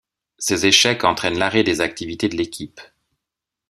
Ces échecs entraînent l'arrêt des activités de l'équipe.